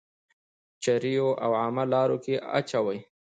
چريو او عامه لارو کي اچوئ.